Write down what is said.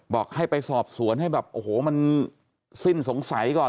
บอกให้ไปสอบสวนให้มันสิ้นสงสัยก่อน